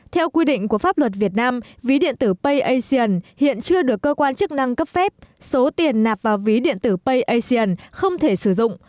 theo quy định của pháp luật việt nam ví điện tử payasian hiện chưa được cơ quan chức năng cấp phép số tiền nạp vào ví điện tử payasian không thể sử dụng